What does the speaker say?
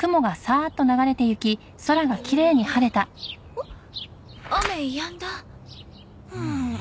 あっ雨やんだ。